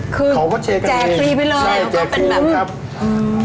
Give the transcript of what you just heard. เขาก็แชร์กันเองใช่แชร์ฟรีรึเปล่าครับอืม